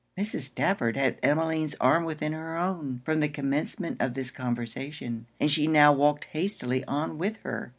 Mrs. Stafford had Emmeline's arm within her own, from the commencement of this conversation; and she now walked hastily on with her.